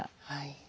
はい。